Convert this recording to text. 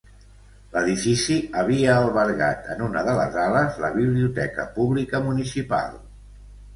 L'edifici havia albergat en una de les ales, la biblioteca pública municipal.